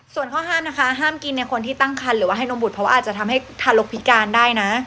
ส่วนข้อห้ามนะคะห้ามกินในคนที่ตั้งคันหรือว่าให้นมบุตรเพราะว่าอาจจะทำให้ทารกพิการได้นะ